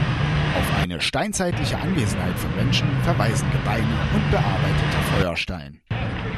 Auf eine steinzeitliche Anwesenheit von Menschen verweisen Gebeine und bearbeiteter Feuerstein.